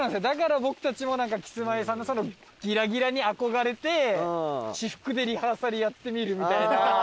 だから僕たちもなんかキスマイさんのそのギラギラに憧れて私服でリハーサルやってみるみたいな。